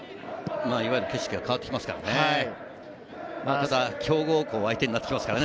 いわゆる景色が変わってきますからね。